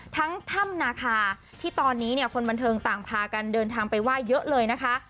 ถ้ำนาคาที่ตอนนี้เนี่ยคนบันเทิงต่างพากันเดินทางไปไหว้เยอะเลยนะคะ